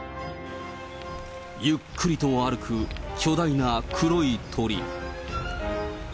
ゆっくりと歩く巨大な黒い鳥。